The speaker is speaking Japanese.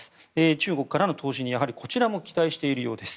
中国からの投資にやはりこちらも期待しているようです。